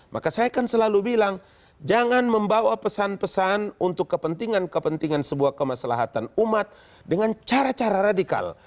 maka saya kan selalu bilang jangan membawa pesan pesan untuk kepentingan kepentingan sebuah kemaslahatan umat dengan cara cara radikal